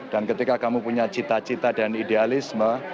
dan ketika kamu punya cita cita dan idealisme